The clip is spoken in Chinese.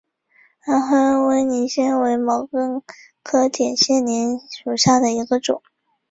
安徽威灵仙为毛茛科铁线莲属下的一个种。